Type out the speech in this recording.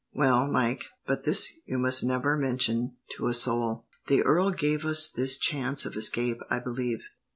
"Well, Mike but this you must never mention to a soul the earl gave us this chance of escape, I believe.